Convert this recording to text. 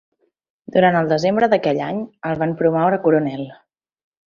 Durant el desembre d'aquell any, el van promoure a coronel.